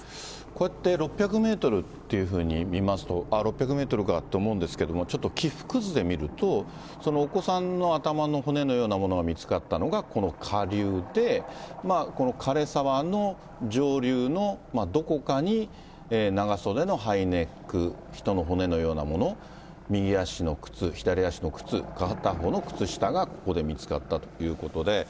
こうやって６００メートルっていうふうに見ますと、あっ、６００メートルかと思うんですか、ちょっと起伏図で見ると、お子さんの頭の骨のようなものが見つかったのがこの下流で、このかれ沢の上流のどこかに、長袖のハイネック、人の骨のようなもの、右足の靴、左足の靴、片方の靴下がここで見つかったということで。